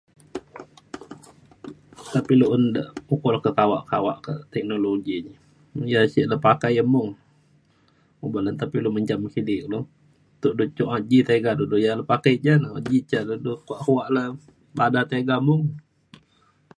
nta pa ilu un de ukok le ketawa kawak ke teknologi ja. ja sek le pakai le mung uban le nta pa ilu menjam kidi kulo. teknologi de ji tiga du ia’ pakai ja na ji ca de dau kuak kuak le bada tiga mung